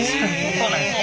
そうなんです。